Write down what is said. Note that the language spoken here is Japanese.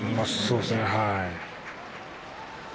そうですねはい。